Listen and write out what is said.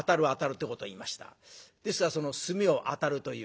ですからその「墨を当たる」という。